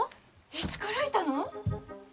いつからいたの？